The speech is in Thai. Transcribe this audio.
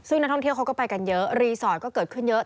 ซึ่งนักท่องเที่ยวเขาก็ไปกันเยอะรีสอร์ทก็เกิดขึ้นเยอะ